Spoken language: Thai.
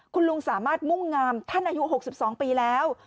คุณลุงสามารถมุ่งงามท่านอายุ๖๒ปีแล้ว